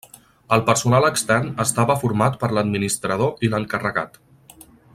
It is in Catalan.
El personal extern estava format per l'administrador i l'encarregat.